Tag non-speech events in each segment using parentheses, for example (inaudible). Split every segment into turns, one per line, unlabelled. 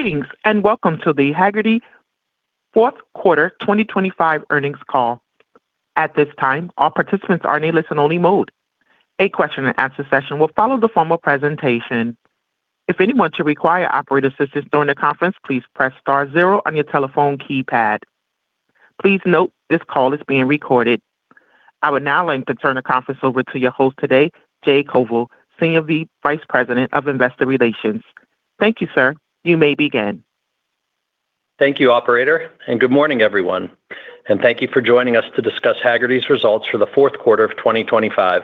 Greetings, welcome to the Hagerty Fourth Quarter 2025 Earnings Call. At this time, all participants are in a listen-only mode. A question and answer session will follow the formal presentation. If anyone should require operator assistance during the conference, please press star zero on your telephone keypad. Please note, this call is being recorded. I would now like to turn the conference over to your host today, Jay Koval, Senior Vice President of Investor Relations. Thank you, sir. You may begin.
Thank you, operator. Good morning, everyone, and thank you for joining us to discuss Hagerty's results for the fourth quarter of 2025.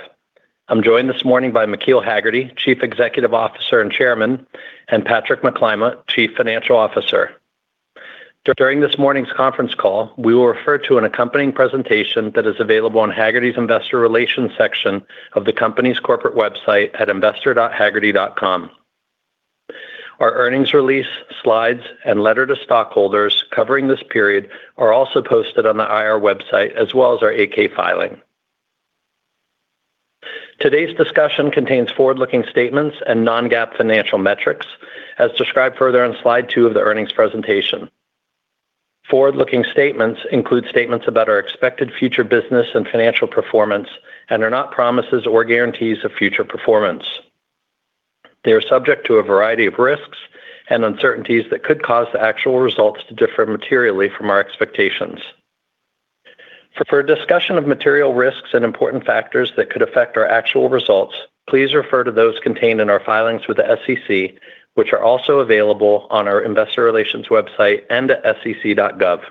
I'm joined this morning by McKeel Hagerty, Chief Executive Officer and Chairman, and Patrick McClymont, Chief Financial Officer. During this morning's conference call, we will refer to an accompanying presentation that is available on Hagerty's Investor Relations section of the company's corporate website at investor.hagerty.com. Our earnings release, slides, and letter to stockholders covering this period are also posted on the IR website, as well as our 8-K filing. Today's discussion contains forward-looking statements and non-GAAP financial metrics, as described further on Slide Two of the earnings presentation. Forward-looking statements include statements about our expected future business and financial performance and are not promises or guarantees of future performance. They are subject to a variety of risks and uncertainties that could cause the actual results to differ materially from our expectations. For further discussion of material risks and important factors that could affect our actual results, please refer to those contained in our filings with the SEC, which are also available on our investor relations website and at sec.gov.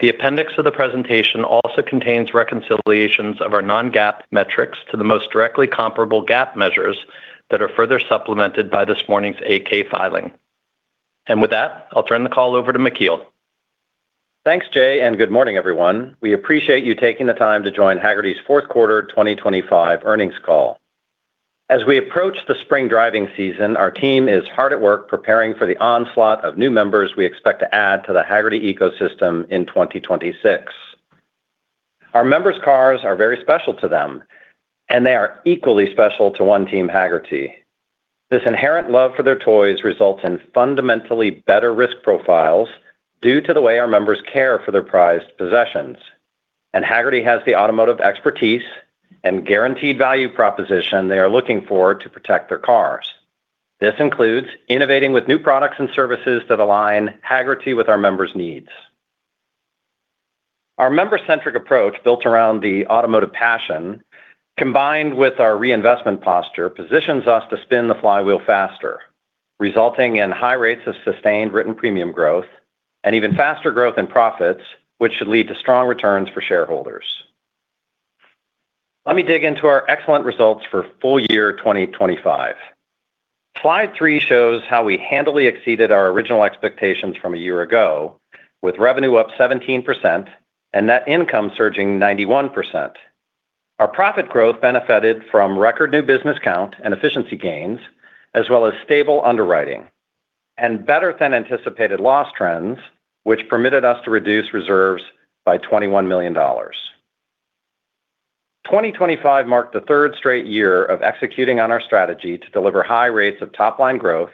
The appendix of the presentation also contains reconciliations of our non-GAAP metrics to the most directly comparable GAAP measures that are further supplemented by this morning's 8-K filing. With that, I'll turn the call over to McKeel.
Thanks, Jay. Good morning, everyone. We appreciate you taking the time to join Hagerty's Fourth Quarter 2025 Earnings Call. As we approach the spring driving season, our team is hard at work preparing for the onslaught of new members we expect to add to the Hagerty ecosystem in 2026. Our members' cars are very special to them, and they are equally special to One Team Hagerty. This inherent love for their toys results in fundamentally better risk profiles due to the way our members care for their prized possessions. Hagerty has the automotive expertise and guaranteed value proposition they are looking for to protect their cars. This includes innovating with new products and services that align Hagerty with our members' needs. Our member-centric approach, built around the automotive passion, combined with our reinvestment posture, positions us to spin the flywheel faster, resulting in high rates of sustained written premium growth and even faster growth in profits, which should lead to strong returns for shareholders. Let me dig into our excellent results for full year 2025. Slide Three shows how we handily exceeded our original expectations from a year ago, with revenue up 17% and net income surging 91%. Our profit growth benefited from record new business count and efficiency gains, as well as stable underwriting and better than anticipated loss trends, which permitted us to reduce reserves by $21 million. 2025 marked the third straight year of executing on our strategy to deliver high rates of top-line growth,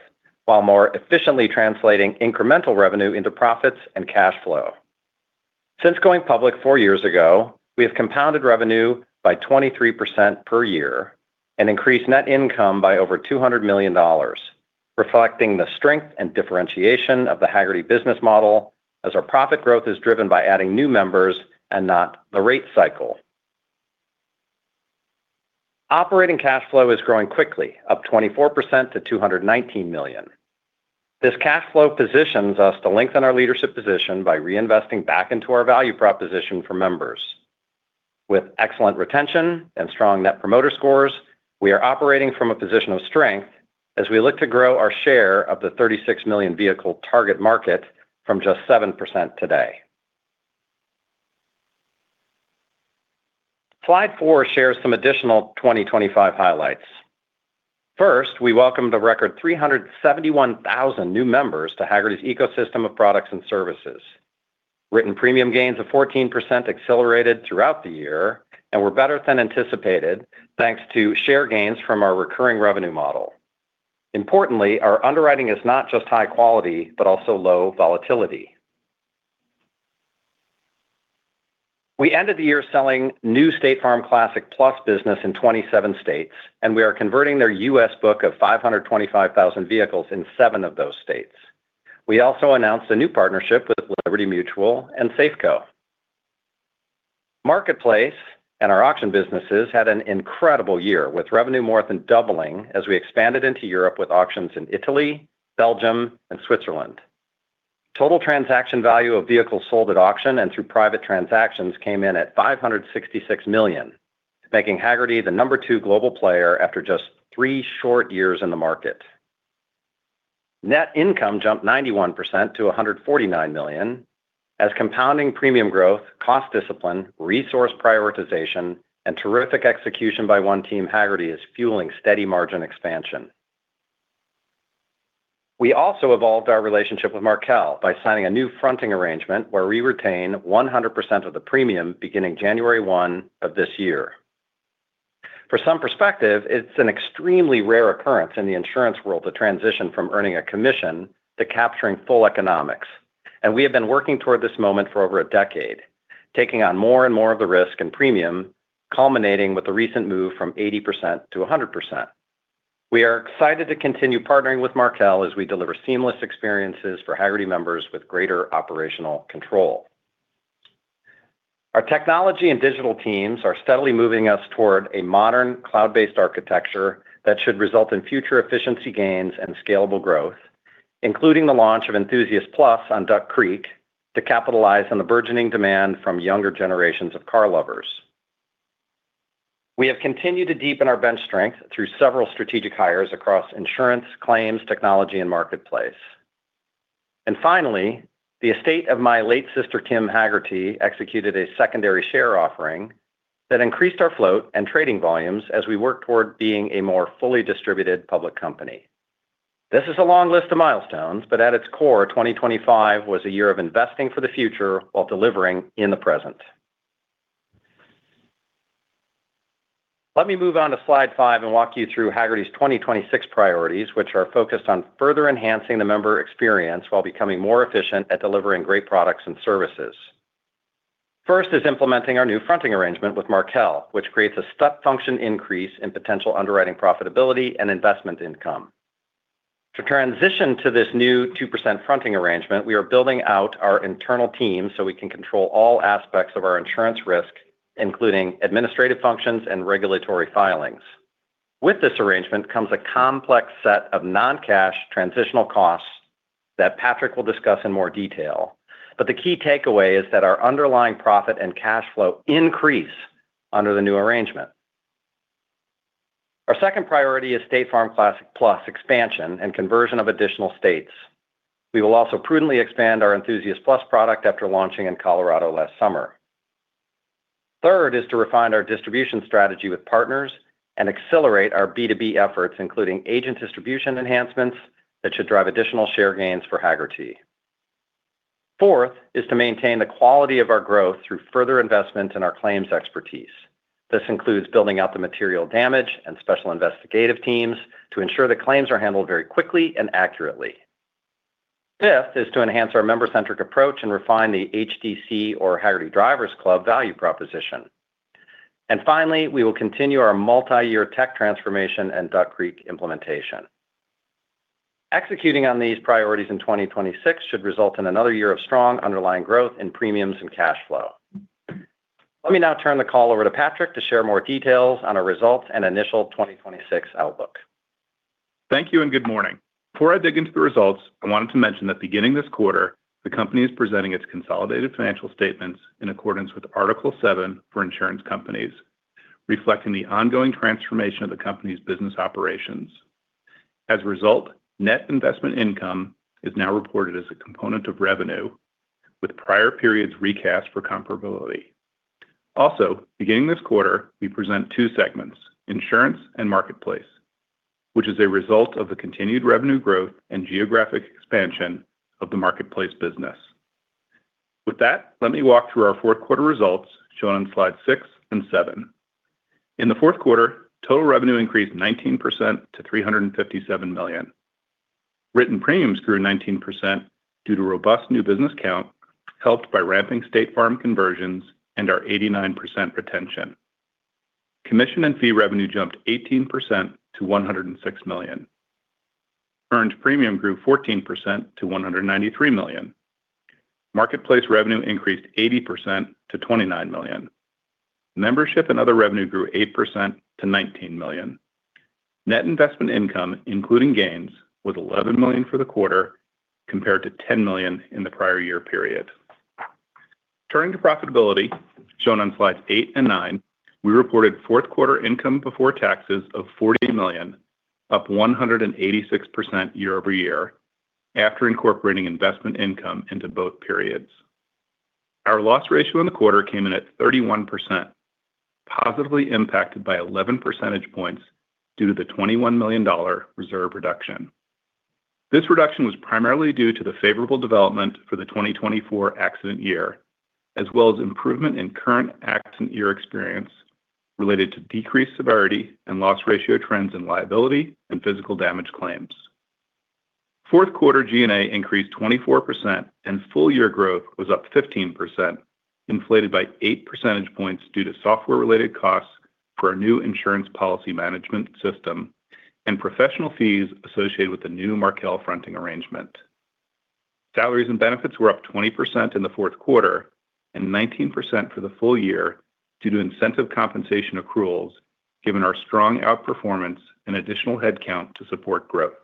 while more efficiently translating incremental revenue into profits and cash flow. Since going public four years ago, we have compounded revenue by 23% per year and increased net income by over $200 million, reflecting the strength and differentiation of the Hagerty business model as our profit growth is driven by adding new members and not the rate cycle. Operating cash flow is growing quickly, up 24% to $219 million. This cash flow positions us to lengthen our leadership position by reinvesting back into our value proposition for members. With excellent retention and strong Net Promoter Scores, we are operating from a position of strength as we look to grow our share of the 36 million vehicle target market from just 7% today. Slide four shares some additional 2025 highlights. First, we welcomed a record 371,000 new members to Hagerty's ecosystem of products and services. Written premium gains of 14% accelerated throughout the year and were better than anticipated, thanks to share gains from our recurring revenue model. Importantly, our underwriting is not just high quality, but also low volatility. We ended the year selling new State Farm Classic+ business in 27 states. We are converting their U.S. book of 525,000 vehicles in seven of those states. We also announced a new partnership with Liberty Mutual and Safeco. Marketplace and our auction businesses had an incredible year, with revenue more than doubling as we expanded into Europe with auctions in Italy, Belgium, and Switzerland. Total transaction value of vehicles sold at auction and through private transactions came in at $566 million, making Hagerty the number two global player after just three short years in the market. Net income jumped 91% to $149 million, as compounding premium growth, cost discipline, resource prioritization, and terrific execution by One Team Hagerty is fueling steady margin expansion. We also evolved our relationship with Markel by signing a new fronting arrangement where we retain 100% of the premium beginning 1 January of this year. For some perspective, it's an extremely rare occurrence in the insurance world to transition from earning a commission to capturing full economics, and we have been working toward this moment for over a decade, taking on more and more of the risk and premium, culminating with the recent move from 80% to 100%. We are excited to continue partnering with Markel as we deliver seamless experiences for Hagerty members with greater operational control. Our technology and digital teams are steadily moving us toward a modern, cloud-based architecture that should result in future efficiency gains and scalable growth, including the launch of Enthusiast Plus on Duck Creek to capitalize on the burgeoning demand from younger generations of car lovers. We have continued to deepen our bench strength through several strategic hires across insurance, claims, technology, and marketplace. Finally, the estate of my late sister, Kim Hagerty, executed a secondary share offering that increased our float and trading volumes as we work toward being a more fully distributed public company. This is a long list of milestones, but at its core, 2025 was a year of investing for the future while delivering in the present. Let me move on to Slide five and walk you through Hagerty's 2026 priorities, which are focused on further enhancing the member experience while becoming more efficient at delivering great products and services. First is implementing our new fronting arrangement with Markel, which creates a step function increase in potential underwriting profitability and investment income. To transition to this new 2% fronting arrangement, we are building out our internal team so we can control all aspects of our insurance risk, including administrative functions and regulatory filings. With this arrangement comes a complex set of non-cash transitional costs that Patrick will discuss in more detail. The key takeaway is that our underlying profit and cash flow increase under the new arrangement. Our second priority is State Farm Classic+ expansion and conversion of additional states. We will also prudently expand our Enthusiast Plus after launching in Colorado last summer. Third is to refine our distribution strategy with partners and accelerate our B2B efforts, including agent distribution enhancements that should drive additional share gains for Hagerty. Fourth is to maintain the quality of our growth through further investment in our claims expertise. This includes building out the material damage and special investigative teams to ensure that claims are handled very quickly and accurately. Fifth is to enhance our member-centric approach and refine the HDC or Hagerty Drivers Club value proposition. Finally, we will continue our multi-year tech transformation and Duck Creek implementation. Executing on these priorities in 2026 should result in another year of strong underlying growth in premiums and cash flow. Let me now turn the call over to Patrick to share more details on our results and initial 2026 outlook.
Thank you, and good morning. Before I dig into the results, I wanted to mention that beginning this quarter, the company is presenting its consolidated financial statements in accordance with Article Seven for insurance companies, reflecting the ongoing transformation of the company's business operations. As a result, net investment income is now reported as a component of revenue, with prior periods recast for comparability. Also, beginning this quarter, we present two segments: insurance and Marketplace, which is a result of the continued revenue growth and geographic expansion of the Marketplace business. With that, let me walk through our fourth quarter results, shown on Slides six and seven. In the fourth quarter, total revenue increased 19% to $357 million. Written premiums grew 19% due to robust new business count, helped by ramping State Farm conversions and our 89% retention. Commission and fee revenue jumped 18% to $106 million. Earned premium grew 14% to $193 million. Marketplace revenue increased 80% to $29 million. Membership and other revenue grew 8% to $19 million. Net investment income, including gains, was $11 million for the quarter, compared to $10 million in the prior year period. Turning to profitability, shown on Slides eight and nine, we reported fourth quarter income before taxes of $40 million, up 186% year-over-year, after incorporating investment income into both periods. Our loss ratio in the quarter came in at 31%, positively impacted by 11 percentage points due to the $21 million reserve reduction. This reduction was primarily due to the favorable development for the 2024 accident year, as well as improvement in current accident year experience related to decreased severity and loss ratio trends in liability and physical damage claims. Fourth quarter GNA increased 24%, and full year growth was up 15%, inflated by 8 percentage points due to software-related costs for our new insurance policy management system and professional fees associated with the new Markel fronting arrangement. Salaries and benefits were up 20% in the fourth quarter and 19% for the full year due to incentive compensation accruals, given our strong outperformance and additional headcount to support growth.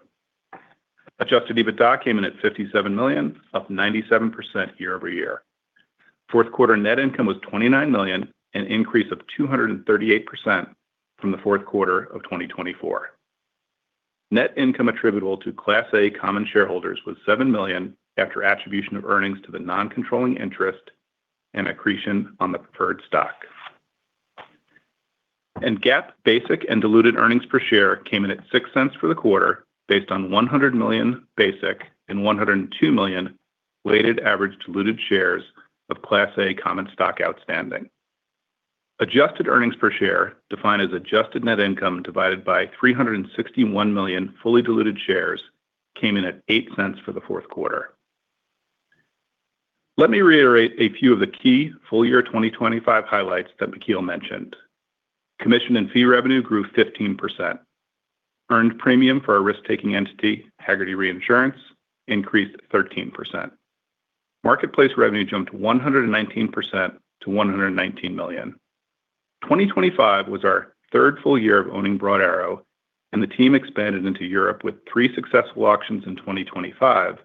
Adjusted EBITDA came in at $57 million, up 97% year-over-year. Fourth quarter net income was $29 million, an increase of 238% from the fourth quarter of 2024. Net income attributable to Class A Common Stock shareholders was $7 million after attribution of earnings to the non-controlling interest and accretion on the preferred stock. GAAP basic and diluted earnings per share came in at $0.06 for the quarter, based on 100 million basic and 102 million weighted average diluted shares of Class A Common Stock outstanding. Adjusted earnings per share, defined as adjusted net income divided by 361 million fully diluted shares came in at $0.08 for the fourth quarter. Let me reiterate a few of the key full year 2025 highlights that McKeel mentioned. Commission and fee revenue grew 15%. Earned premium for our risk-taking entity, Hagerty Reinsurance, increased 13%. Marketplace revenue jumped 119% to $119 million. 2025 was our third full year of owning Broad Arrow, and the team expanded into Europe with three successful auctions in 2025,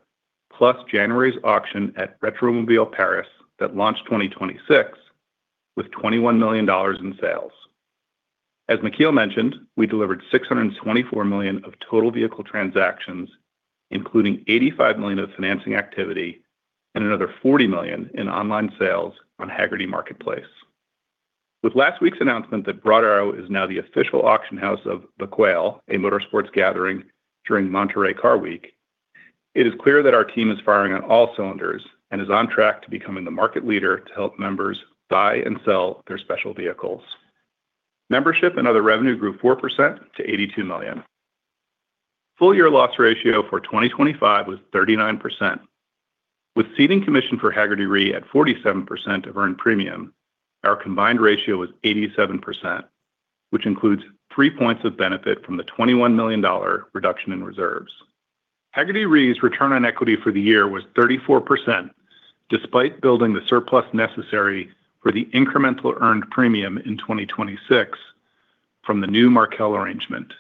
plus January's auction at Rétromobile Paris that launched 2026 with $21 million in sales. As McKeel mentioned, we delivered $624 million of total vehicle transactions, including $85 million of financing activity and another $40 million in online sales on Hagerty Marketplace. With last week's announcement that Broad Arrow is now the official auction house of The Quail, A Motorsports Gathering during Monterey Car Week, it is clear that our team is firing on all cylinders and is on track to becoming the market leader to help members buy and sell their special vehicles. Membership and other revenue grew 4% to $82 million. Full year loss ratio for 2025 was 39%. With ceding commission for Hagerty Re at 47% of earned premium, our combined ratio was 87%, which includes three points of benefit from the $21 million reduction in reserves. Hagerty Re's return on equity for the year was 34%, despite building the surplus necessary for the incremental earned premium in 2026 from the new Markel arrangement.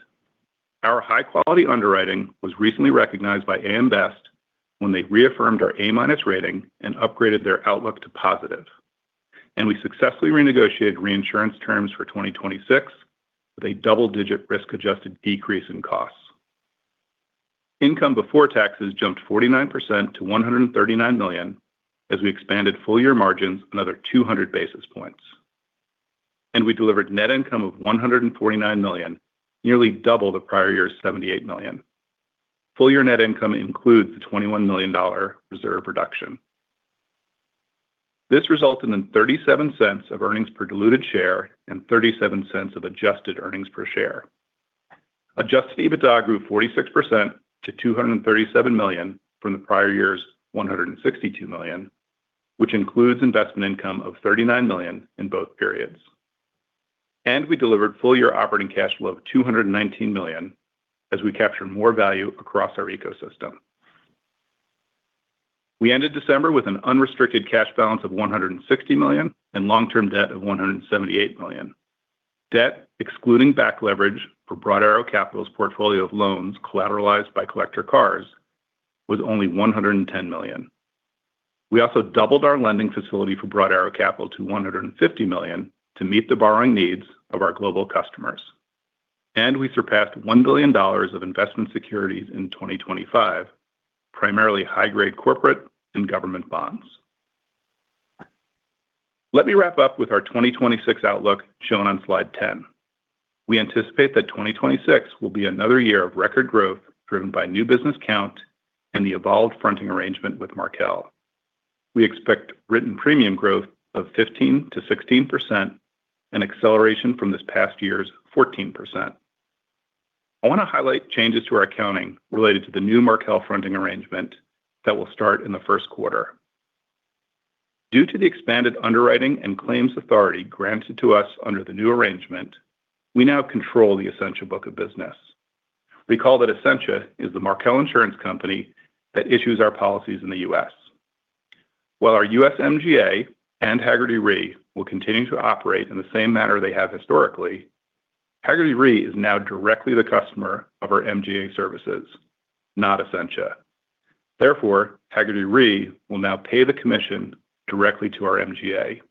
Our high-quality underwriting was recently recognized by AM Best when they reaffirmed our A- rating and upgraded their outlook to positive. We successfully renegotiated reinsurance terms for 2026 with a double-digit risk-adjusted decrease in costs. Income before taxes jumped 49% to $139 million as we expanded full-year margins another 200 basis points. We delivered net income of $149 million, nearly double the prior year's $78 million. Full-year net income includes the $21 million reserve reduction. This resulted in $0.37 of earnings per diluted share and $0.37 of Adjusted earnings per share. Adjusted EBITDA grew 46% to $237 million from the prior year's $162 million, which includes investment income of $39 million in both periods. We delivered full-year operating cash flow of $219 million as we captured more value across our ecosystem. We ended December with an unrestricted cash balance of $160 million and long-term debt of $178 million. Debt, excluding back leverage for Broad Arrow Capital's portfolio of loans collateralized by collector cars, was only $110 million. We also doubled our lending facility for Broad Arrow Capital to $150 million to meet the borrowing needs of our global customers. We surpassed $1 billion of investment securities in 2025, primarily high-grade corporate and government bonds. Let me wrap up with our 2026 outlook, shown on slide 10. We anticipate that 2026 will be another year of record growth, driven by new business count and the evolved fronting arrangement with Markel. We expect written premium growth of 15%-16%, an acceleration from this past year's 14%. I want to highlight changes to our accounting related to the new Markel fronting arrangement that will start in the first quarter. Due to the expanded underwriting and claims authority granted to us under the new arrangement, we now control the Essentia book of business. Recall that Essentia is the Markel insurance company that issues our policies in the U.S. While our U.S. MGA and Hagerty Re will continue to operate in the same manner they have historically, Hagerty Re is now directly the customer of our MGA services, not Essentia. Hagerty Re will now pay the commission directly to our MGA.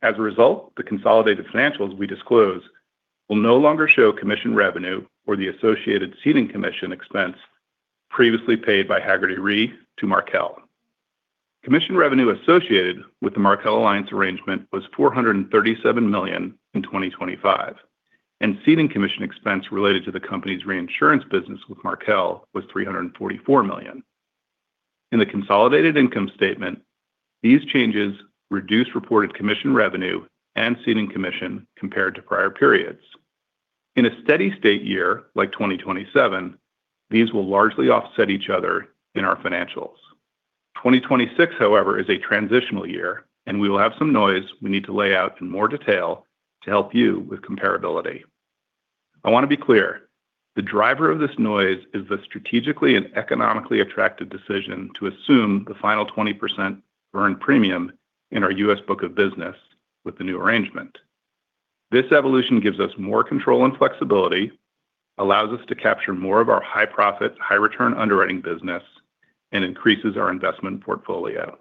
The consolidated financials we disclose will no longer show commission revenue or the associated ceding commission expense previously paid by Hagerty Re to Markel. Commission revenue associated with the Markel alliance arrangement was $437 million in 2025, and ceding commission expense related to the company's reinsurance business with Markel was $344 million. In the consolidated income statement, these changes reduced reported commission revenue and ceding commission compared to prior periods. In a steady state year, like 2027, these will largely offset each other in our financials. 2026, however, is a transitional year, and we will have some noise we need to lay out in more detail to help you with comparability. I want to be clear. The driver of this noise is the strategically and economically attractive decision to assume the final 20% earned premium in our U.S. book of business with the new arrangement. This evolution gives us more control and flexibility, allows us to capture more of our high profit, high return underwriting business, and increases our investment portfolio.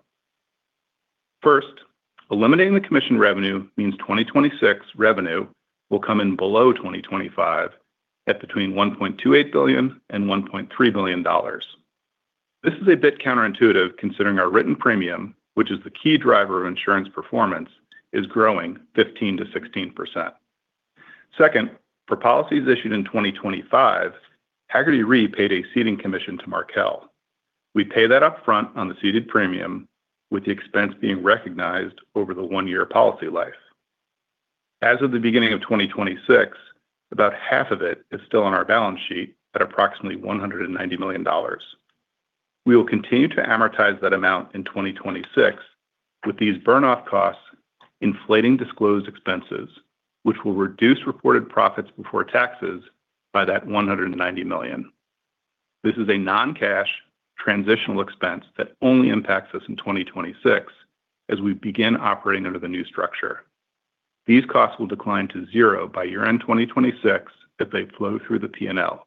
First, eliminating the commission revenue means 2026 revenue will come in below 2025 at between $1.28 billion and $1.3 billion. This is a bit counterintuitive, considering our written premium, which is the key driver of insurance performance, is growing 15%-16%. Second, for policies issued in 2025, Hagerty Re paid a ceding commission to Markel. We pay that upfront on the ceded premium, with the expense being recognized over the one-year policy life. As of the beginning of 2026, about half of it is still on our balance sheet at approximately $190 million. We will continue to amortize that amount in 2026, with these burn off costs inflating disclosed expenses, which will reduce reported profits before taxes by that $190 million. This is a non-cash transitional expense that only impacts us in 2026 as we begin operating under the new structure. These costs will decline to zero by year-end 2026 as they flow through the P&L,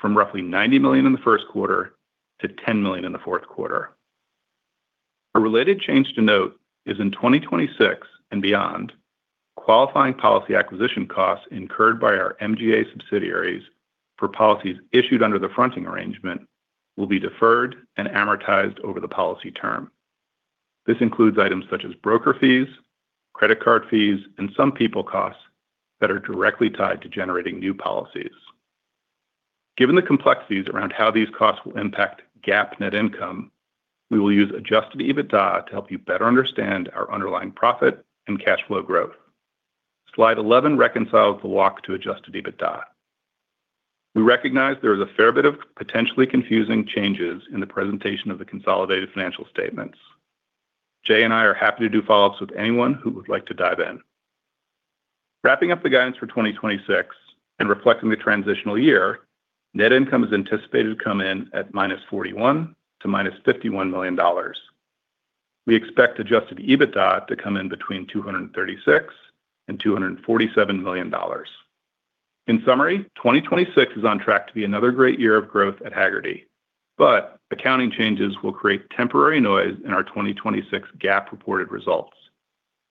from roughly $90 million in the first quarter to $10 million in the fourth quarter. A related change to note is in 2026 and beyond, qualifying policy acquisition costs incurred by our MGA subsidiaries for policies issued under the fronting arrangement will be deferred and amortized over the policy term. This includes items such as broker fees, credit card fees, and some people costs that are directly tied to generating new policies. Given the complexities around how these costs will impact GAAP net income, we will use Adjusted EBITDA to help you better understand our underlying profit and cash flow growth. Slide 11 reconciles the walk to Adjusted EBITDA. We recognize there is a fair bit of potentially confusing changes in the presentation of the consolidated financial statements. Jay and I are happy to do follow-ups with anyone who would like to dive in. Wrapping up the guidance for 2026 and reflecting the transitional year, net income is anticipated to come in at -$41 million to -$51 million. We expect Adjusted EBITDA to come in between $236 million and $247 million. In summary, 2026 is on track to be another great year of growth at Hagerty, but accounting changes will create temporary noise in our 2026 GAAP reported results.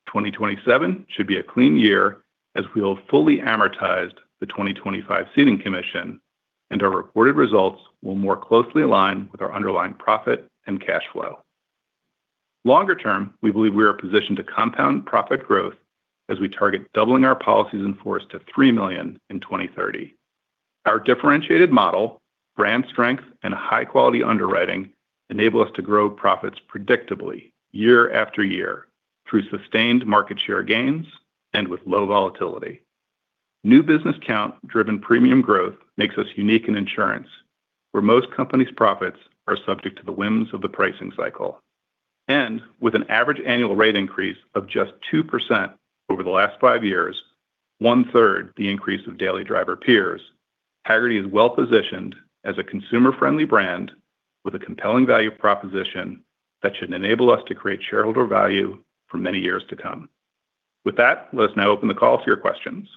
2027 should be a clean year as we will have fully amortized the 2025 ceding commission, and our reported results will more closely align with our underlying profit and cash flow. Longer term, we believe we are positioned to compound profit growth as we target doubling our policies in force to three million in 2030. Our differentiated model, brand strength, and high-quality underwriting enable us to grow profits predictably year after year through sustained market share gains and with low volatility. New business count-driven premium growth makes us unique in insurance, where most companies' profits are subject to the whims of the pricing cycle. With an average annual rate increase of just 2% over the last five years, one-third the increase of daily driver peers, Hagerty is well-positioned as a consumer-friendly brand with a compelling value proposition that should enable us to create shareholder value for many years to come. With that, let us now open the call to your questions.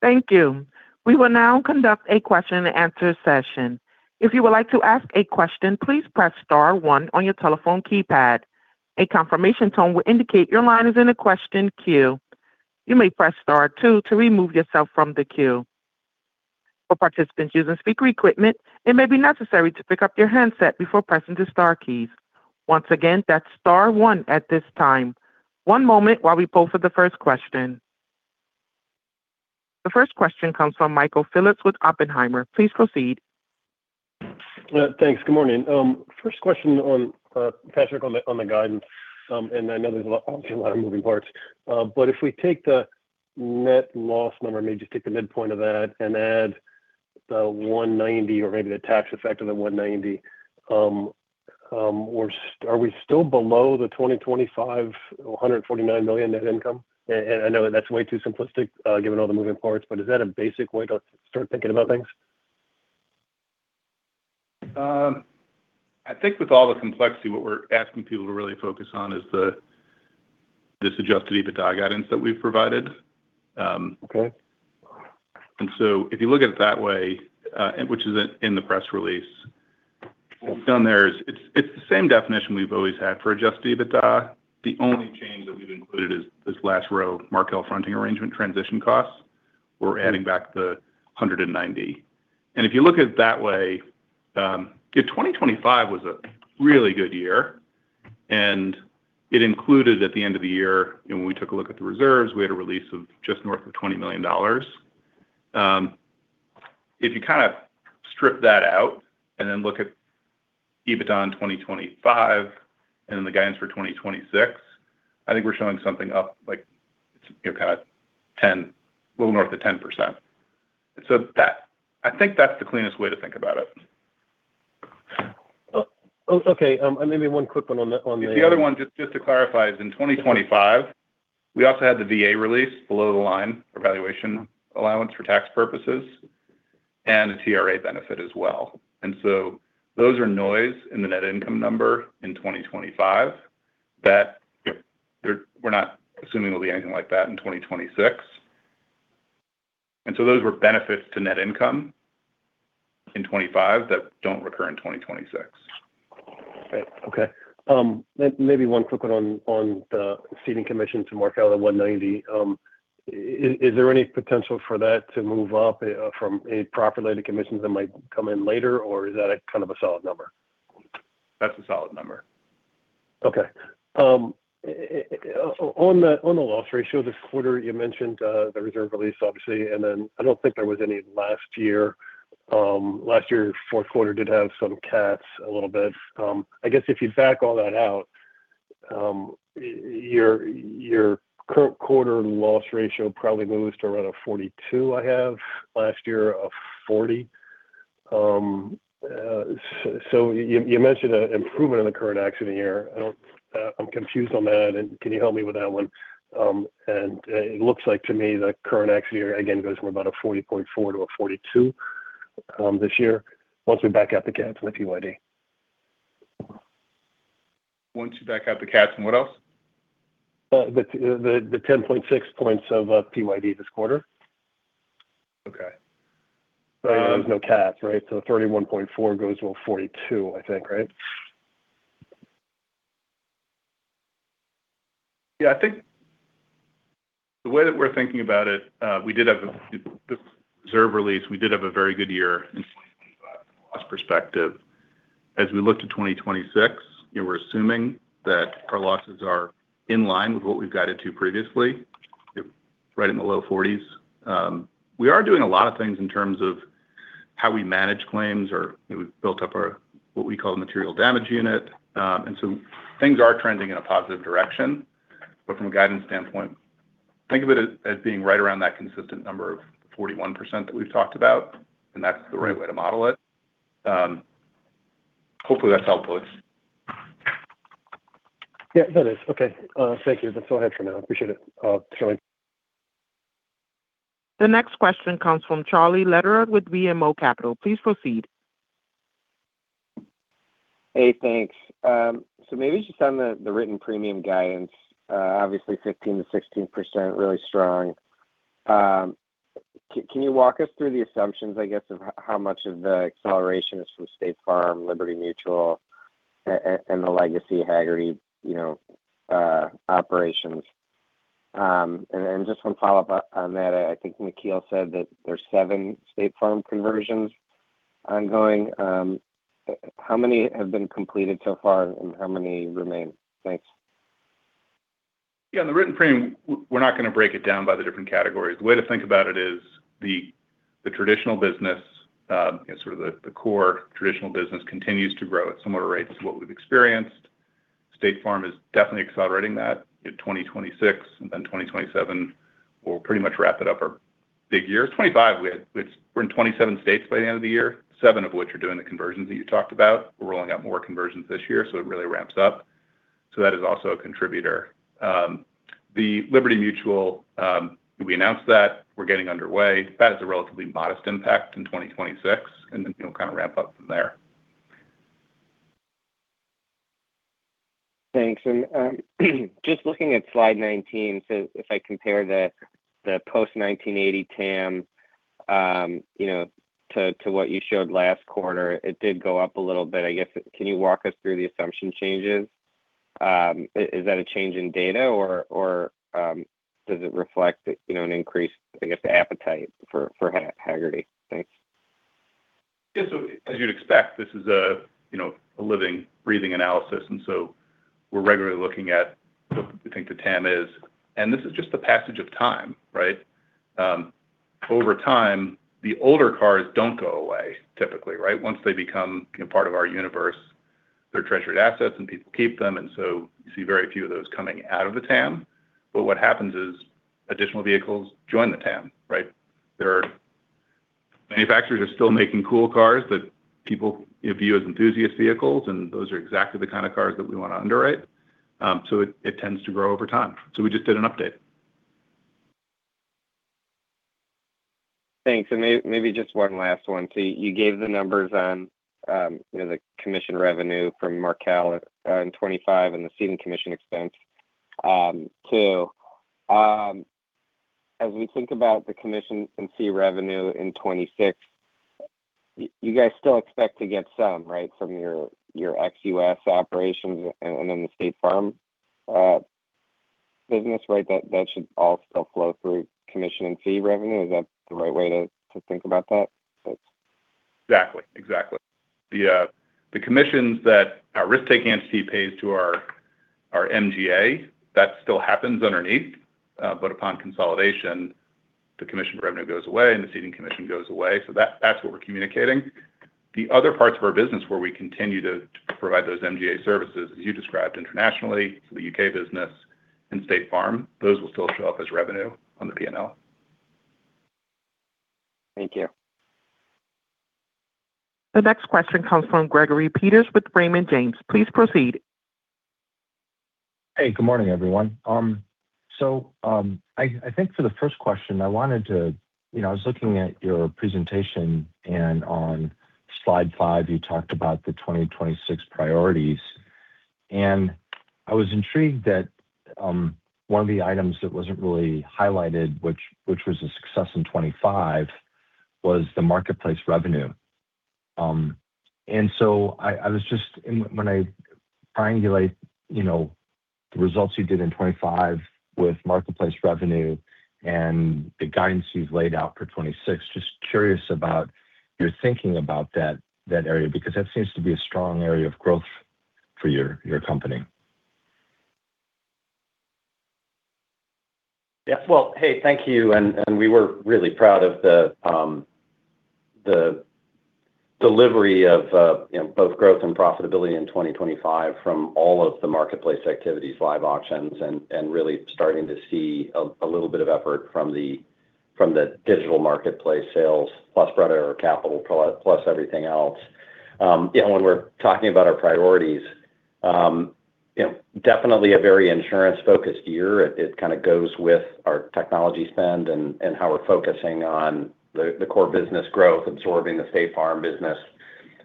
Thank you. We will now conduct a question and answer session. If you would like to ask a question, please press star one on your telephone keypad. A confirmation tone will indicate your line is in a question queue. You may press star two to remove yourself from the queue. For participants using speaker equipment, it may be necessary to pick up your handset before pressing the star keys. Once again, that's star one at this time. One moment while we poll for the first question. The first question comes from Michael Phillips with Oppenheimer. Please proceed.
Thanks. Good morning. First question on Patrick, on the guidance. I know there's a lot of moving parts, but if we take the net loss number, maybe just take the midpoint of that and add the $190 or maybe the tax effect of the $190, are we still below the 2025, $149 million net income? I know that's way too simplistic, given all the moving parts, but is that a basic way to start thinking about things?
I think with all the complexity, what we're asking people to really focus on is this Adjusted EBITDA guidance that we've provided.
Okay.
If you look at it that way, and which is in the press release, down there it's the same definition we've always had for Adjusted EBITDA. The only change that we've included is this last row, Markel fronting arrangement transition costs. We're adding back the $190. If you look at it that way, yeah, 2025 was a really good year, and it included, at the end of the year, when we took a look at the reserves, we had a release of just north of $20 million. If you kind of strip that out and then look at EBITDA in 2025 and then the guidance for 2026, I think we're showing something up like, you know, kind of 10%, a little north of 10%. I think that's the cleanest way to think about it.
Okay, maybe one quick one on the.
The other one, just to clarify, is in 2025, we also had the VA release below the line for valuation allowance for tax purposes and a TRA benefit as well. Those are noise in the net income number in 2025 that we're not assuming there'll be anything like that in 2026. Those were benefits to net income in 2025 that don't recur in 2026.
Okay. Maybe one quick one on the ceding commission to Markel, the $190. Is there any potential for that to move up from a proper layer to commissions that might come in later, or is that a kind of a solid number?
That's a solid number.
Okay. On the loss ratio this quarter, you mentioned the reserve release, obviously, I don't think there was any last year. Last year's fourth quarter did have some CATs a little bit. I guess if you back all that out, your current quarter loss ratio probably moves to around a 42, I have. Last year, a 40. You mentioned an improvement in the current accident year. I'm confused on that, can you help me with that one? It looks like to me, the current accident year, again, goes from about a 40.4 to a 42 this year, once we back out the CATs and the PYD.
Once you back out the CATs and what else?
The 10.6 points of PYD this quarter.
Okay.
There's no CAT, right? 31.4 goes to a 42, I think, right?
I think the way that we're thinking about it, we did have a reserve release. We did have a very good year in perspective. As we look to 2026, we're assuming that our losses are in line with what we've guided to previously, right in the low 40s. We are doing a lot of things in terms of how we manage claims, or we've built up our, what we call a material damage unit. Things are trending in a positive direction, but from a guidance standpoint, think of it as being right around that consistent number of 41% that we've talked about, and that's the right way to model it. Hopefully, that's helpful.
Yeah, that is. Okay, thank you. That's all I have for now. Appreciate it, Charlie.
The next question comes from Charlie Lederer with BMO Capital. Please proceed.
Hey, thanks. Maybe just on the written premium guidance, obviously 15%-16%, really strong. Can you walk us through the assumptions, I guess, of how much of the acceleration is from State Farm, Liberty Mutual, and the legacy Hagerty, you know, operations? Just one follow-up on that. I think McKeel said that there's seven State Farm conversions ongoing. How many have been completed so far, and how many remain? Thanks.
Yeah, on the written premium, we're not going to break it down by the different categories. The way to think about it is the traditional business, sort of the core traditional business continues to grow at similar rates to what we've experienced. State Farm is definitely accelerating that in 2026. 2027 will pretty much wrap it up our big years. 2025, we're in 27 states by the end of the year, seven of which are doing the conversions that you talked about. We're rolling out more conversions this year, it really ramps up. That is also a contributor. The Liberty Mutual, we announced that we're getting underway. That is a relatively modest impact in 2026, you know, kind of ramp up from there.
Thanks. Just looking at slide 19, so if I compare the post-1980 TAM, you know, to what you showed last quarter, it did go up a little bit. I guess, can you walk us through the assumption changes? Is that a change in data, or does it reflect, you know, an increased, I guess, appetite for Hagerty? Thanks.
Yeah. As you'd expect, this is a, you know, a living, breathing analysis, and so we're regularly looking at what we think the TAM is, and this is just the passage of time, right? Over time, the older cars don't go away typically, right? Once they become part of our universe, they're treasured assets, and people keep them, and so you see very few of those coming out of the TAM. What happens is additional vehicles join the TAM, right? Manufacturers are still making cool cars that people view as enthusiast vehicles, and those are exactly the kind of cars that we want to underwrite. So it tends to grow over time. We just did an update.
Thanks. Maybe just one last one. You gave the numbers on, you know, the commission revenue from Markel in 2025 and the ceding commission expense. As we think about the commission and fee revenue in 2026, you guys still expect to get some, right, from your ex-U.S. operations and then the State Farm business, right? That should all still flow through commission and fee revenue. Is that the right way to think about that? Thanks.
Exactly, exactly. The commissions that our risk-taking entity pays to our MGA, that still happens underneath. Upon consolidation, the commission revenue goes away, and the ceding commission goes away, so that's what we're communicating. The other parts of our business where we continue to provide those MGA services, as you described internationally, so the U.K. business and State Farm, those will still show up as revenue on the P&L.
Thank you.
The next question comes from Gregory Peters with Raymond James. Please proceed.
Hey, good morning, everyone. I think for the first question, I wanted to. You know, I was looking at your presentation, and on Slide five, you talked about the 2026 priorities. I was intrigued that one of the items that wasn't really highlighted, which was a success in 25, was the Marketplace revenue. I was just.... triangulate, you know, the results you did in 2025 with Marketplace revenue and the guidance you've laid out for 2026. Just curious about your thinking about that area, because that seems to be a strong area of growth for your company.
Yeah. Well, hey, thank you. We were really proud of the delivery of, you know, both growth and profitability in 2025 from all of the marketplace activities, live auctions, and really starting to see a little bit of effort from the digital marketplace sales, plus Broad Arrow Capital, plus everything else. You know, when we're talking about our priorities, you know, definitely a very insurance-focused year. It kind of goes with our technology spend and how we're focusing on the core business growth, absorbing the State Farm business,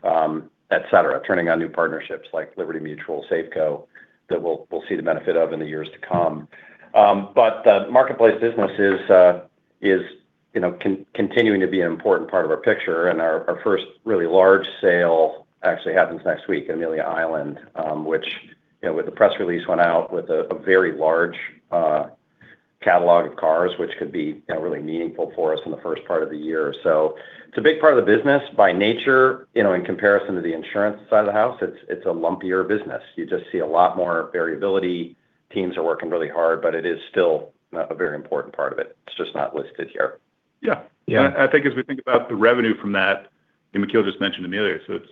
et cetera. Turning on new partnerships like Liberty Mutual, Safeco, that we'll see the benefit of in the years to come. The Marketplace business is, you know, continuing to be an important part of our picture, and our first really large sale actually happens next week, Amelia Island, which, you know, with a very large catalog of cars, which could be, you know, really meaningful for us in the first part of the year. It's a big part of the business. By nature, you know, in comparison to the insurance side of the house, it's a lumpier business. You just see a lot more variability. Teams are working really hard, but it is still a very important part of it. It's just not listed here.
Yeah.
Yeah.
I think as we think about the revenue from that, and McKeel just mentioned Amelia, so it's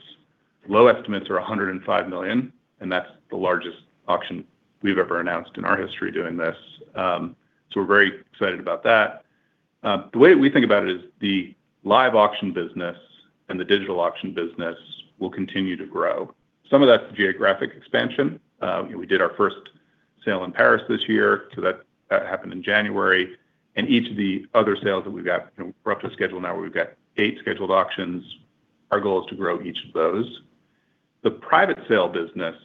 low estimates are $105 million, and that's the largest auction we've ever announced in our history doing this. We're very excited about that. The way we think about it is the live auction business and the digital auction business will continue to grow. Some of that's geographic expansion. We did our first sale in Paris this year, so that happened in January. Each of the other sales that we've got, we're up to a schedule now where we've got 8 scheduled auctions. Our goal is to grow each of those. The private sale business,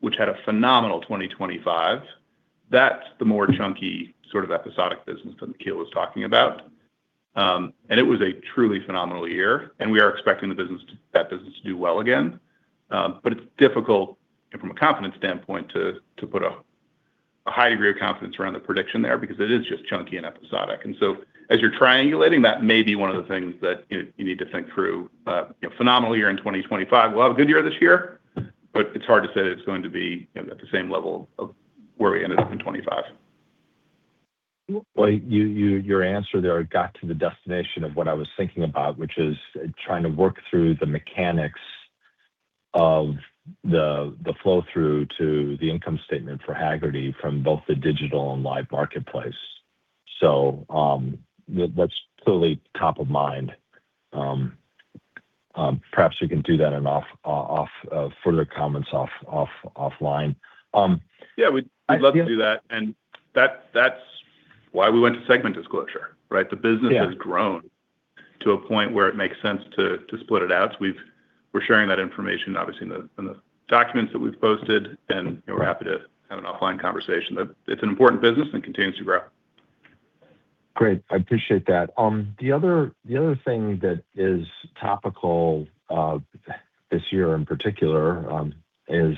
which had a phenomenal 2025, that's the more chunky sort of episodic business that McKeel was talking about. It was a truly phenomenal year, and we are expecting that business to do well again. It's difficult, and from a confidence standpoint, to put a high degree of confidence around the prediction there because it is just chunky and episodic. As you're triangulating, that may be one of the things that you need to think through. You know, phenomenal year in 2025. We'll have a good year this year, but it's hard to say that it's going to be, you know, at the same level of where we ended up in 2025.
Well, your answer there got to the destination of what I was thinking about, which is trying to work through the mechanics of the flow-through to the income statement for Hagerty from both the digital and live marketplace. That's totally top of mind. Perhaps you can do that in further comments offline.
Yeah, we'd love to do that, and that's why we went to segment disclosure, right?
Yeah.
The business has grown to a point where it makes sense to split it out. We're sharing that information, obviously, in the documents that we've posted. We're happy to have an offline conversation. It's an important business and continues to grow.
Great. I appreciate that. The other thing that is topical this year in particular is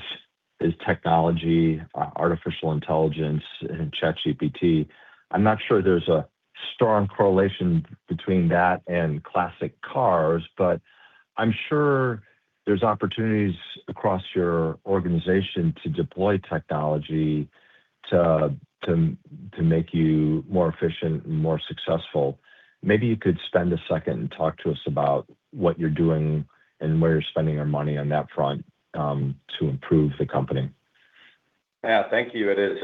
technology, artificial intelligence, and ChatGPT. I'm not sure there's a strong correlation between that and classic cars, but I'm sure there's opportunities across your organization to deploy technology to make you more efficient and more successful. Maybe you could spend a second and talk to us about what you're doing and where you're spending your money on that front to improve the company?
Yeah. Thank you. It is,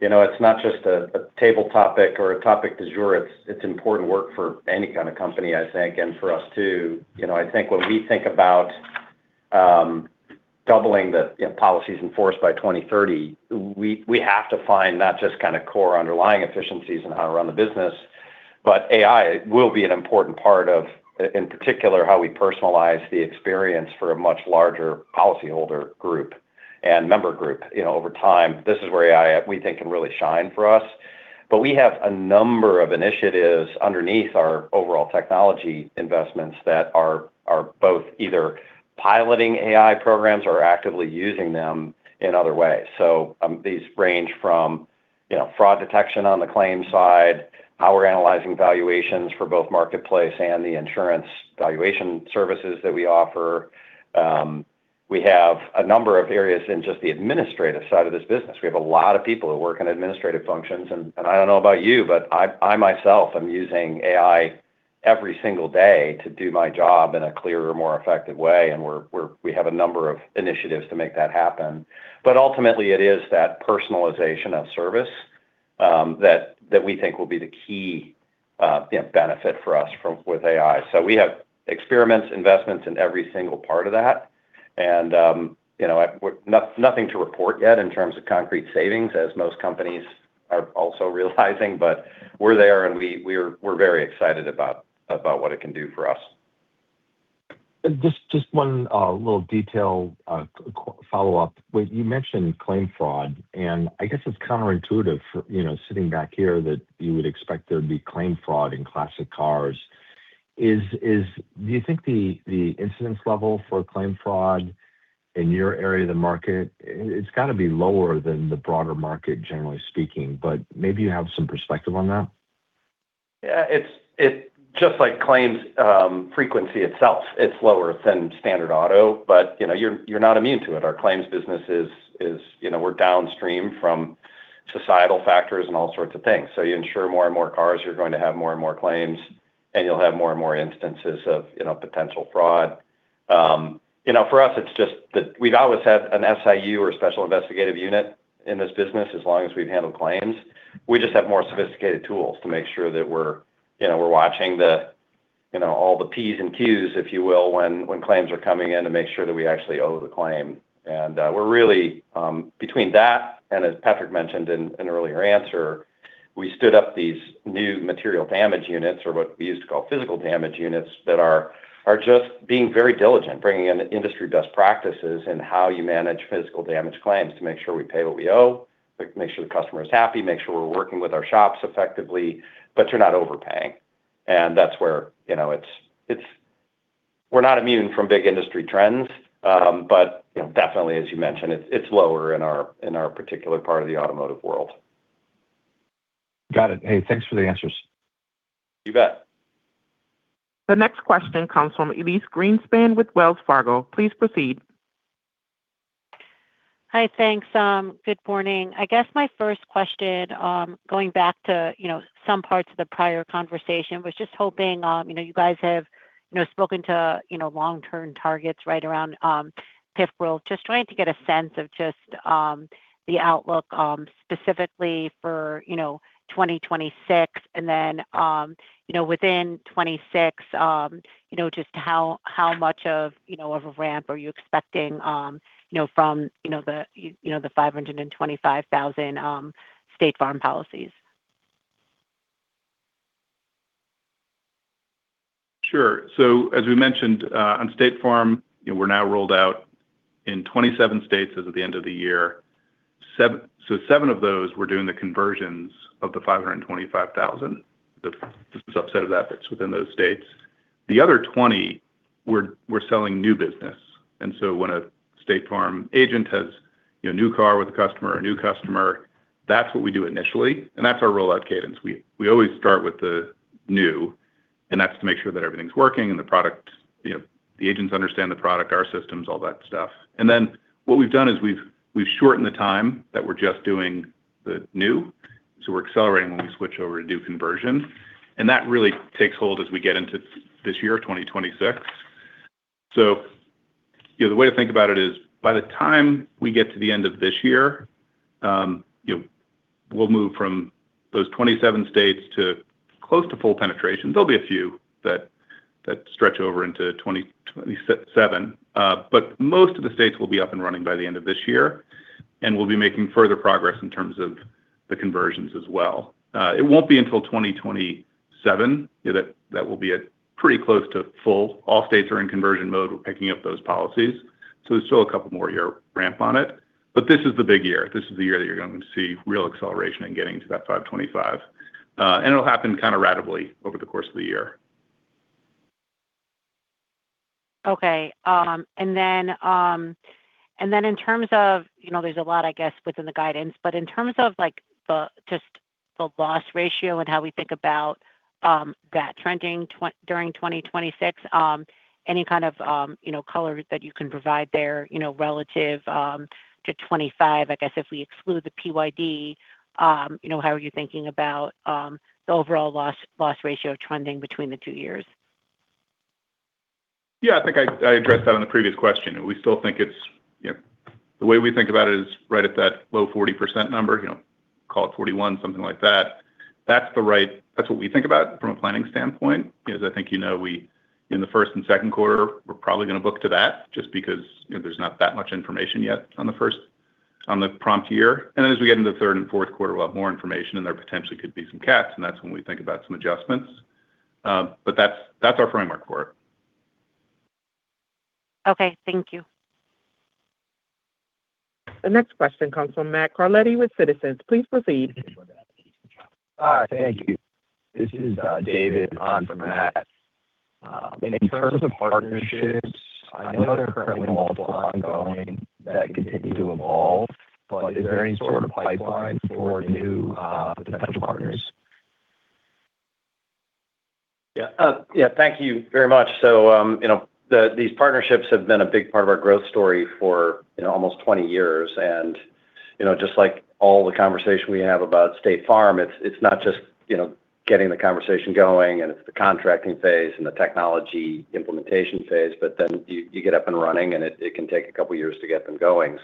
you know, it's not just a table topic or a topic du jour. It's important work for any kind of company, I think, and for us, too. You know, I think when we think about doubling the, you know, policies in force by 2030, we have to find not just kind of core underlying efficiencies in how to run the business, but AI will be an important part of in particular, how we personalize the experience for a much larger policyholder group and member group, you know, over time. This is where AI, we think, can really shine for us. We have a number of initiatives underneath our overall technology investments that are both either piloting AI programs or actively using them in other ways. These range from, you know, fraud detection on the claim side, how we're analyzing valuations for both Marketplace and the insurance valuation services that we offer. We have a number of areas in just the administrative side of this business. We have a lot of people who work in administrative functions, and I don't know about you, but I myself am using AI every single day to do my job in a clearer, more effective way, and we have a number of initiatives to make that happen. Ultimately, it is that personalization of service, that we think will be the key, you know, benefit for us with AI. We have experiments, investments in every single part of that, and, you know, nothing to report yet in terms of concrete savings, as most companies are also realizing, but we're there, and we're very excited about what it can do for us.
Just one little detail, follow-up. When you mentioned claim fraud, and I guess it's counterintuitive for, you know, sitting back here, that you would expect there'd be claim fraud in classic cars. Is, do you think the incidence level for claim fraud in your area of the market, it's got to be lower than the broader market, generally speaking, but maybe you have some perspective on that?
Yeah, it's just like claims frequency itself. It's lower than standard auto, but, you know, you're not immune to it. Our claims business is, you know, we're downstream from societal factors and all sorts of things. You insure more and more cars, you're going to have more and more claims, and you'll have more and more instances of, you know, potential fraud. You know, for us, it's just that we've always had an SIU or special investigative unit in this business, as long as we've handled claims. We just have more sophisticated tools to make sure that we're, you know, we're watching the, you know, all the P's and Q's, if you will, when claims are coming in to make sure that we actually owe the claim. We're really between that, and as Patrick mentioned in an earlier answer, we stood up these new material damage units, or what we used to call physical damage units, that are just being very diligent, bringing in industry best practices and how you manage physical damage claims to make sure we pay what we owe, make sure the customer is happy, make sure we're working with our shops effectively, but you're not overpaying. That's where, you know, it's, we're not immune from big industry trends, but, you know, definitely as you mentioned, it's lower in our, in our particular part of the automotive world.
Got it. Hey, thanks for the answers.
You bet.
The next question comes from Elyse Greenspan with Wells Fargo. Please proceed.
Hi, thanks. Good morning. I guess my first question, going back to, you know, some parts of the prior conversation, was just hoping, you know, you guys have, you know, spoken to, you know, long-term targets right around PIF world. Just trying to get a sense of just the outlook, specifically for, you know, 2026, and then, you know, within 2026, you know, just how much of, you know, of a ramp are you expecting, you know, from, you know, the, you know, the 525,000 State Farm policies?
Sure. As we mentioned, on State Farm, we're now rolled out in 27 states as of the end of the year. Seven of those, we're doing the conversions of the 525,000, the subset of that within those states. The other 20, we're selling new business. When a State Farm agent has a new car with a customer or a new customer, that's what we do initially, and that's our rollout cadence. We always start with the new, and that's to make sure that everything's working and the product, you know, the agents understand the product, our systems, all that stuff. What we've done is we've shortened the time that we're just doing the new. We're accelerating when we switch over to do conversion, and that really takes hold as we get into this year, 2026. You know, the way to think about it is by the time we get to the end of this year, you know, we'll move from those 27 states to close to full penetration. There'll be a few that stretch over into 2027, but most of the states will be up and running by the end of this year, and we'll be making further progress in terms of the conversions as well. It won't be until 2027 that will be at pretty close to full. All states are in conversion mode, we're picking up those policies, so there's still a couple more year ramp on it. This is the big year. This is the year that you're going to see real acceleration in getting to that 525, and it'll happen kind of ratably over the course of the year.
Okay. In terms of, you know, there's a lot, I guess, within the guidance, but in terms of like the, just the loss ratio and how we think about, that trending during 2026, any kind of, you know, color that you can provide there, you know, relative, to 2025? I guess if we exclude the PYD, you know, how are you thinking about, the overall loss ratio trending between the two years?
I think I addressed that in the previous question. We still think it's, you know... The way we think about it is right at that low 40% number, you know, call it 41, something like that. That's what we think about from a planning standpoint, because I think, you know, we, in the first and second quarter, we're probably going to book to that just because, you know, there's not that much information yet on the first, on the prompt year. As we get into the third and fourth quarter, we'll have more information, and there potentially could be some CATs, and that's when we think about some adjustments. That's, that's our framework for it.
Okay. Thank you.
The next question comes from Matt Carletti with Citizens. Please proceed.
Hi, thank you. This is David on from Matt. In terms (audio distortion) of partnerships, I know there are currently multiple ongoing that continue to evolve, but is there any sort of pipeline for new potential partners?
Yeah, yeah, thank you very much. You know, these partnerships have been a big part of our growth story for, you know, almost 20 years. You know, just like all the conversation we have about State Farm, it's not just, you know, getting the conversation going, and it's the contracting phase and the technology implementation phase, you get up and running, it can take a couple of years to get them going.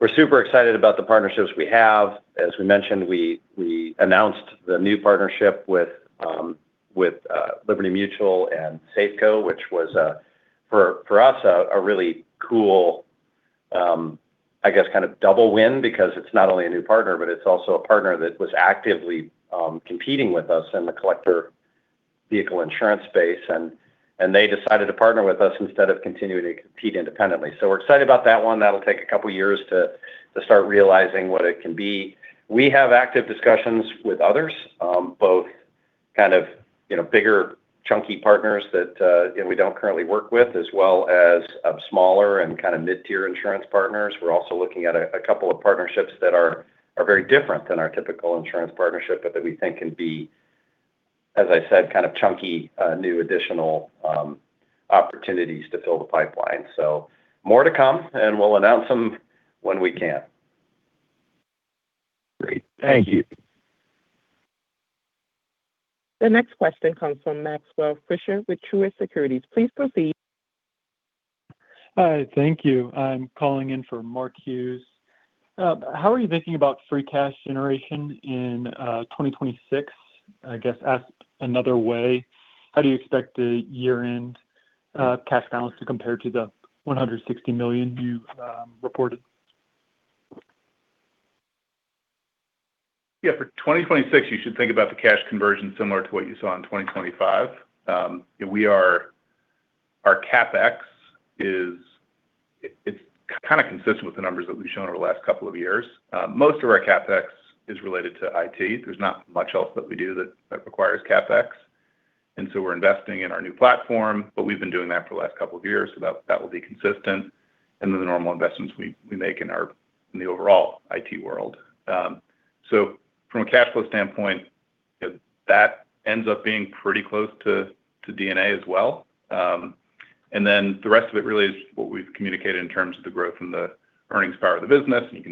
We're super excited about the partnerships we have. As we mentioned, we announced the new partnership with Liberty Mutual and Safeco, which was for us, a really cool, I guess, kind of double win because it's not only a new partner, but it's also a partner that was actively competing with us in the collector vehicle insurance space. You know...... and they decided to partner with us instead of continuing to compete independently. We're excited about that one. That'll take a couple of years to start realizing what it can be. We have active discussions with others, both kind of, you know, bigger, chunky partners that, you know, we don't currently work with, as well as, smaller and kind of mid-tier insurance partners. We're also looking at a couple of partnerships that are very different than our typical insurance partnership, but that we think can be, as I said, kind of chunky, new additional, opportunities to fill the pipeline. More to come, and we'll announce them when we can.
Great. Thank you.
The next question comes from Maxwell Fritscher with Truist Securities. Please proceed.
Hi, thank you. I'm calling in for Mark Hughes. How are you thinking about free cash generation in 2026? I guess, asked another way, how do you expect the year-end cash balance to compare to the $160 million you reported?
Yeah, for 2026, you should think about the cash conversion similar to what you saw in 2025. Our CapEx is, it's kind of consistent with the numbers that we've shown over the last couple of years. Most of our CapEx is related to IT. There's not much else that we do that requires CapEx. We're investing in our new platform, but we've been doing that for the last couple of years, so that will be consistent, and then the normal investments we make in our, in the overall IT world. From a cash flow standpoint, that ends up being pretty close to D&A as well. The rest of it really is what we've communicated in terms of the growth and the earnings power of the business. You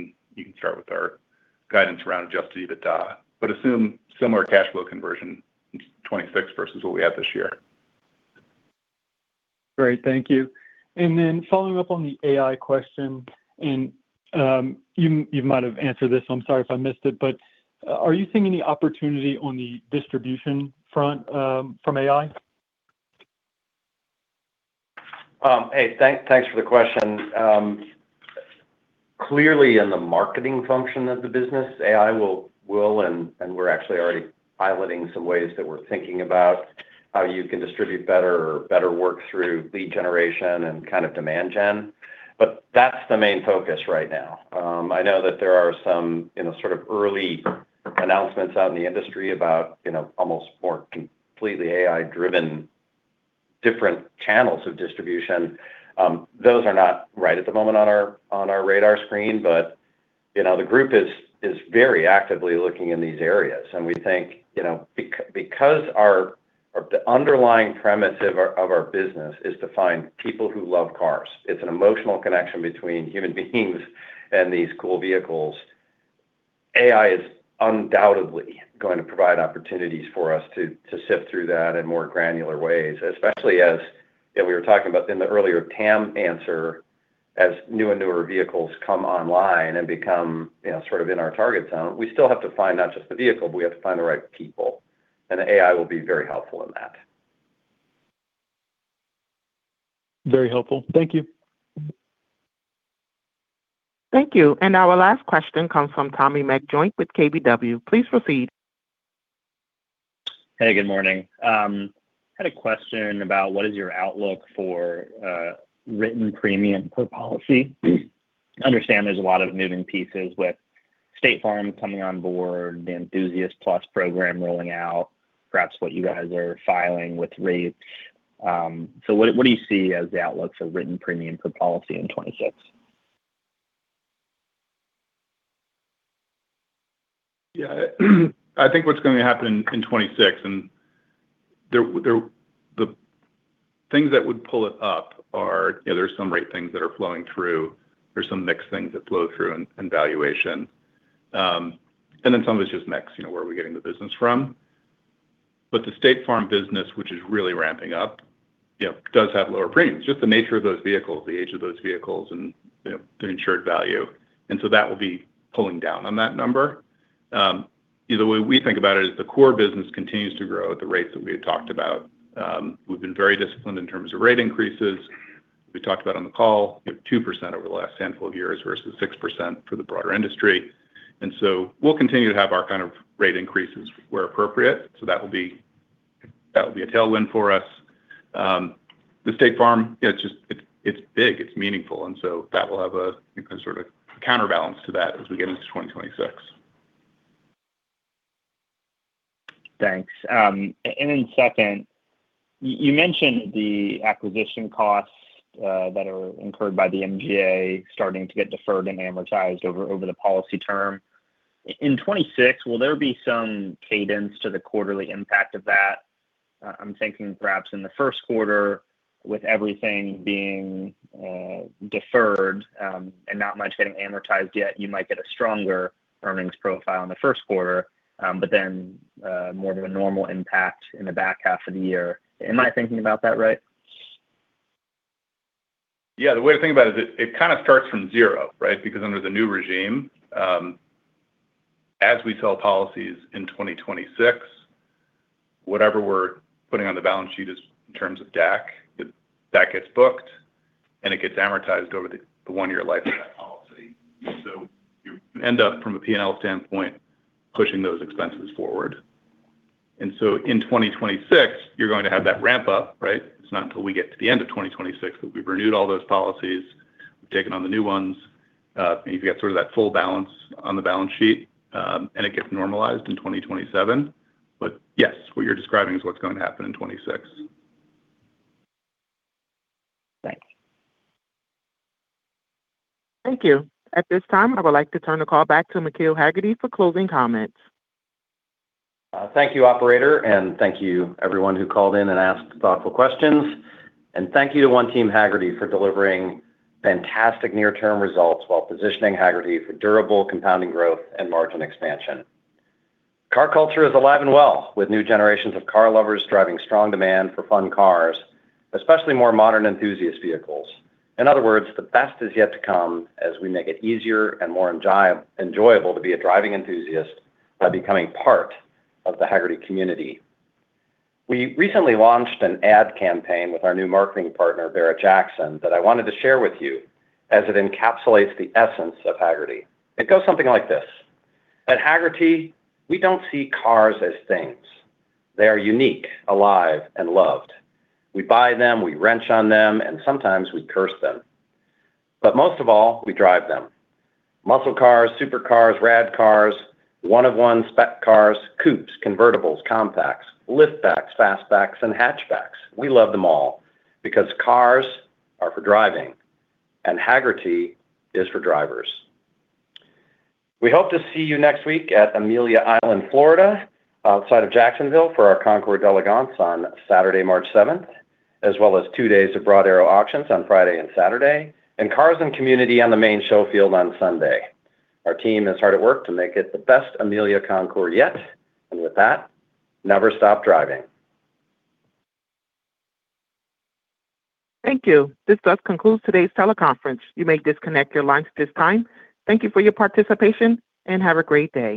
can start with our guidance around Adjusted EBITDA. Assume similar cash flow conversion in 2026 versus what we have this year.
Great, thank you. Following up on the AI question, and, you might have answered this, I'm sorry if I missed it, but are you seeing any opportunity on the distribution front from AI?
Hey, thanks for the question. Clearly, in the marketing function of the business, AI will, and we're actually already piloting some ways that we're thinking about how you can distribute better or better work through lead generation and kind of demand gen. That's the main focus right now. I know that there are some in a sort of early announcements out in the industry about, you know, almost more completely AI-driven different channels of distribution. Those are not right at the moment on our radar screen, but, you know, the group is very actively looking in these areas. We think, you know, because our, the underlying premise of our business is to find people who love cars, it's an emotional connection between human beings and these cool vehicles. AI is undoubtedly going to provide opportunities for us to sift through that in more granular ways, especially as, you know, we were talking about in the earlier TAM answer, as new and newer vehicles come online and become, you know, sort of in our target zone. We still have to find not just the vehicle, but we have to find the right people. The AI will be very helpful in that.
Very helpful. Thank you.
Thank you. Our last question comes from Tommy McJoynt with KBW. Please proceed.
Hey, good morning. I had a question about what is your outlook for written premium per policy? I understand there's a lot of moving pieces with State Farm coming on board, the Enthusiast Plus program rolling out, perhaps what you guys are filing with rates. What do you see as the outlook for written premium per policy in 2026?
Yeah, I think what's going to happen in 2026, there the things that would pull it up are, you know, there are some rate things that are flowing through, there's some mixed things that flow through and valuation. Then some of it's just mix, you know, where are we getting the business from? The State Farm business, which is really ramping up, you know, does have lower premiums, just the nature of those vehicles, the age of those vehicles, and, you know, the insured value. So that will be pulling down on that number. You know, the way we think about it is the core business continues to grow at the rates that we had talked about. We've been very disciplined in terms of rate increases. We talked about on the call, you know, 2% over the last handful of years versus 6% for the broader industry. We'll continue to have our kind of rate increases where appropriate. That will be a tailwind for us. The State Farm, it's just big, it's meaningful, that will have a, you know, sort of counterbalance to that as we get into 2026.
Thanks. Then second, you mentioned the acquisition costs that are incurred by the MGA starting to get deferred and amortized over the policy term. In 2026, will there be some cadence to the quarterly impact of that? I'm thinking perhaps in the first quarter, with everything being deferred, and not much getting amortized yet, you might get a stronger earnings profile in the first quarter, then more of a normal impact in the back half of the year. Am I thinking about that right?
Yeah, the way to think about it kind of starts from zero, right? Under the new regime, as we sell policies in 2026, whatever we're putting on the balance sheet is in terms of DAC, that gets booked, and it gets amortized over the one-year life of that. end up from a P&L standpoint, pushing those expenses forward. In 2026, you're going to have that ramp up, right? It's not until we get to the end of 2026 that we've renewed all those policies, we've taken on the new ones, and you've got sort of that full balance on the balance sheet, and it gets normalized in 2027. Yes, what you're describing is what's going to happen in 2026. Thanks.
Thank you. At this time, I would like to turn the call back to McKeel Hagerty for closing comments.
Thank you, operator, and thank you everyone who called in and asked thoughtful questions. Thank you to One Team Hagerty for delivering fantastic near-term results while positioning Hagerty for durable compounding growth and margin expansion. Car culture is alive and well, with new generations of car lovers driving strong demand for fun cars, especially more modern enthusiast vehicles. In other words, the best is yet to come as we make it easier and more enjoyable to be a driving enthusiast by becoming part of the Hagerty community. We recently launched an ad campaign with our new marketing partner, Barrett-Jackson, that I wanted to share with you as it encapsulates the essence of Hagerty. It goes something like this: "At Hagerty, we don't see cars as things. They are unique, alive, and loved. We buy them, we wrench on them, and sometimes we curse them. Most of all, we drive them. Muscle cars, super cars, rad cars, one of one spec cars, coupes, convertibles, compacts, lift backs, fastbacks, and hatchbacks. We love them all because cars are for driving, and Hagerty is for drivers. We hope to see you next week at Amelia Island, Florida, outside of Jacksonville, for our Concours d'Elegance on Saturday, 7 March, as well as two days of Broad Arrow auctions on Friday and Saturday, and cars and community on the main show field on Sunday. Our team is hard at work to make it the best Amelia Concours yet, and with that, never stop driving.
Thank you. This does conclude today's teleconference. You may disconnect your lines at this time. Thank you for your participation. Have a great day.